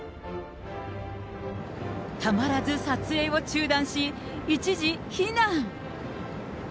たまらず撮影を中断し、一時避難。